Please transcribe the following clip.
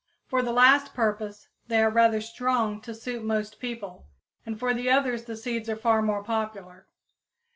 For the last purpose they are rather strong to suit most people, and for the others the seeds are far more popular.